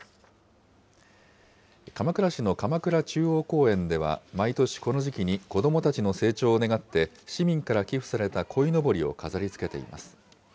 鎌倉市の鎌倉中央公園では、毎年この時期に、子どもたちの成長を願って市民から寄付されたこいのぼりを飾りつけています。